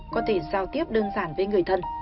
có thể giao tiếp đơn giản với người thân